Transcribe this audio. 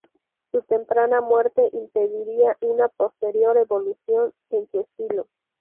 Su temprana muerte impediría una posterior evolución en su estilo.